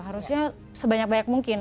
harusnya sebanyak banyak mungkin